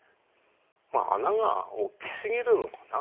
まあ穴が大きすぎるのかな。